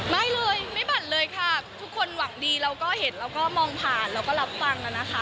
ไม่เลยไม่บั่นเลยค่ะทุกคนหวังดีเราก็เห็นเราก็มองผ่านเราก็รับฟังนะคะ